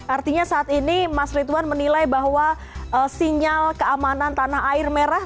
artinya saat ini mas ritwan menilai bahwa sinyal keamanan tanah air merah